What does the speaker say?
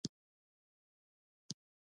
زه به جنت ته د پښتو سره ځو